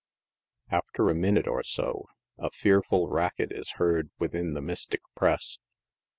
After a minute or so, a fearful racket is heard within the mystic press.